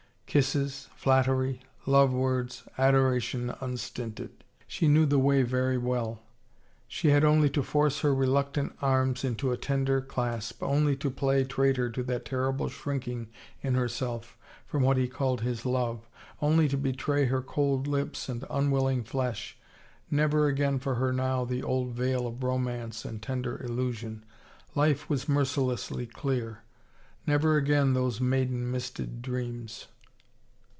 Kisses, flattery, love words, adoration unstinted — she knew the way very well. She had only to force her reluctant arms into a tender clasp, only to play traitor to that terrible shrinking in herself from what he called his love, only to betray her cold lips and unwilling flesh. Never again for her now the old veil of romance and tender illusion. Life was mercilessly clear. Never again those maiden misted dreams!